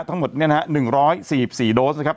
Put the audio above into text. ทั้งหมดเนี่ยนะฮะ๑๔๔โดสนะครับ